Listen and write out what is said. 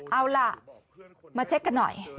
เอาล่ะมาเช็คกันหน่อย